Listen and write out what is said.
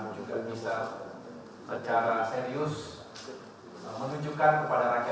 juga bisa secara serius menunjukkan kepada rakyat